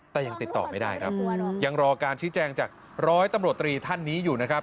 แต่ยังติดต่อไม่ได้ครับยังรอการชี้แจงจากร้อยตำรวจตรีท่านนี้อยู่นะครับ